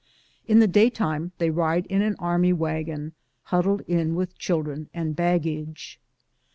In the daytime they ride in an army wagon, huddled in with children and baggage.